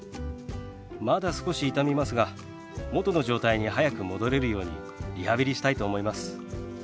まだ少し痛みますが元の状態に早く戻れるようにリハビリしたいと思います。